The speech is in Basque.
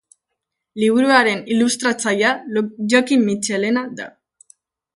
Liburuaren ilustratzailea Jokin Mitxelena da.